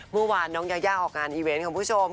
เมื่อวานน้องยายาออกงานอีเวนต์คุณผู้ชม